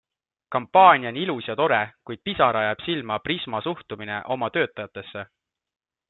Kampaania on ilus ja tore, kuid pisara ajab silma Prisma suhtumine oma töötajatesse.